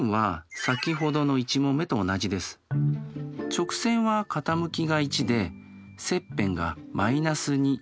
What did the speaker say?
直線は傾きが１で切片が−２。